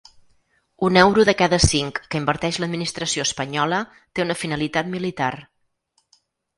Un euro de cada cinc que inverteix l’administració espanyola té una finalitat militar.